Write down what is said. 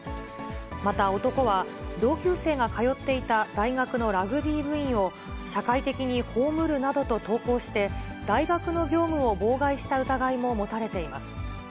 また男は、同級生が通っていた大学のラグビー部員を、社会的に葬るなどと投稿して、大学の業務を妨害した疑いも持たれています。